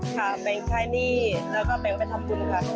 จะไปใช้หนี้แล้วก็ไปทำชุมค่ะ